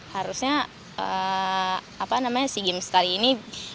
harusnya sea games kali ini